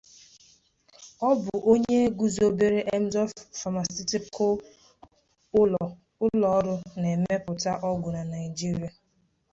Ọ bụ onye guzobere Emzor Pharmaceutical, ụlọ ọrụ na-emepụta ọgwụ na Naijiria.